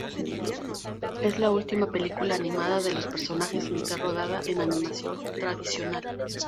Es la última película animada de los personajes en ser rodada en animación tradicional.